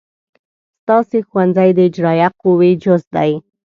ستاسې ښوونځی د اجرائیه قوې جز دی.